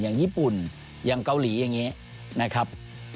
อย่างญี่ปุ่นอย่างเกาหลีอย่างนี้นะครับ